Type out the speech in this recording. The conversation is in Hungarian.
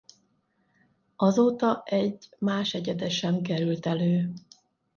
Azóta egy más egyede sem került elő.